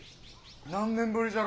何年ぶりじゃろ。